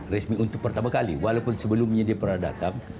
resmi untuk pertama kali walaupun sebelumnya dia pernah datang